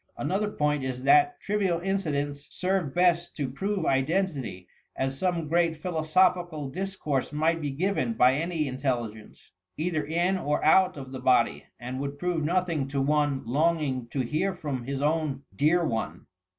Another point is that trivial incidents serve best to prove identity, as some great philosophical discourse might be given by any intelligence, either in or out of the body, and would prove nothing to one longing to hear from his own dear one.